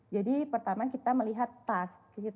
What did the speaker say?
jadi pertama kita melihat tas